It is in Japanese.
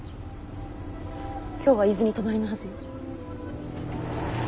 今日は伊豆に泊まりのはずよ。